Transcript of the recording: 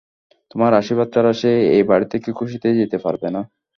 তোমার আশির্বাদ ছাড়া, সে এই বাড়ি থেকে খুশীতে যেতে পারবে না।